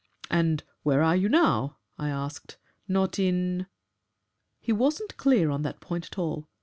'And where are you now?' I asked. 'Not in ?' "He wasn't clear on that point at all.